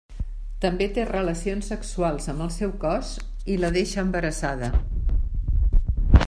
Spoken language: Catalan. També té relacions sexuals amb el seu cos i la deixa embarassada.